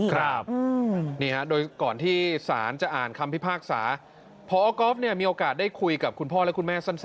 ครับนี่ฮะโดยก่อนที่ศาลจะอ่านคำพิพากษาพอก๊อฟเนี่ยมีโอกาสได้คุยกับคุณพ่อและคุณแม่สั้น